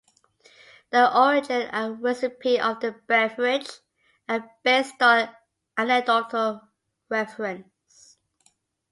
The origin and recipe of the beverage are based on anecdotal reference.